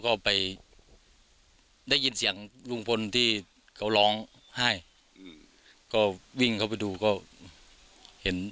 ก็ไปได้ยินเสียงลุงพลที่เขาร้องไห้อืมก็วิ่งเข้าไปดูก็เห็น